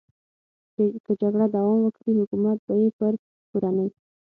چې که جګړه دوام وکړي، حکومت به یې پر کورنۍ.